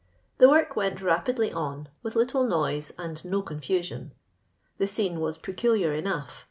The work went rapidly on, with little noise and no confusion. The scene was peculiar enough.